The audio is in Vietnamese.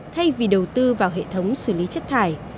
thay vì đầu tư vào hệ thống xử lý chất thải